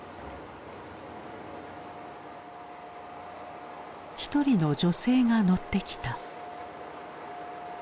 一人の女性が乗ってきた。